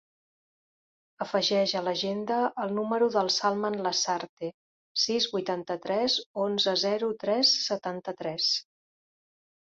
Afegeix a l'agenda el número del Salman Lasarte: sis, vuitanta-tres, onze, zero, tres, setanta-tres.